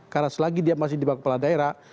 karena selagi dia masih di bawah kepala daerah